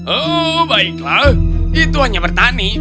oh baiklah itu hanya bertani